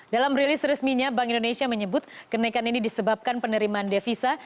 dalam rilis resminya bank indonesia menyebut kenaikan ini disebabkan penerimaan devisa